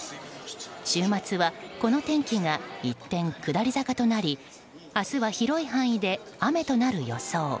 週末はこの天気が一転下り坂となり明日は広い範囲で雨となる予想。